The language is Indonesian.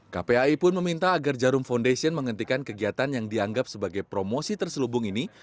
kpai pun meminta agar jarum foundation menghentikan kegiatan yang dianggap sebagai promosi terselubung ini